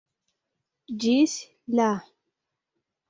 Ĝis la